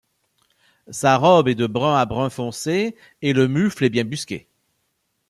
Sa robe est de brun à brun foncé et le mufle est bien busqué.